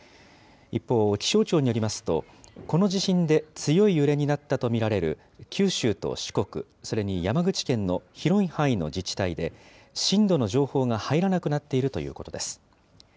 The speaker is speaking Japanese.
一方、気象庁によりますと、この地震で強い揺れになったと見られる九州と四国、それに山口県の広い範囲の自治体で、震度の情報が入らなくなっているということです。